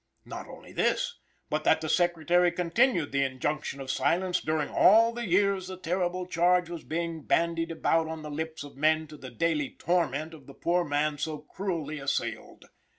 Not only this; but that the Secretary continued the injunction of silence during all the years the terrible charge was being bandied about on the lips of men to the daily torment of the poor man so cruelly assailed.